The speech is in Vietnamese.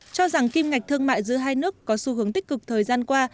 cho rằng kim ngạch thương mại giữa hai nước có xu hướng tích cực thời gian qua